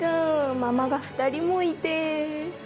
ママが２人もいて。